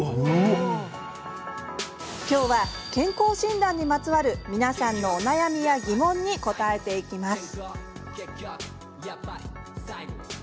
きょうは、健康診断にまつわる皆さんのお悩みや疑問に答えていきます。